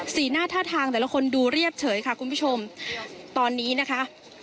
หน้าท่าทางแต่ละคนดูเรียบเฉยค่ะคุณผู้ชมตอนนี้นะคะ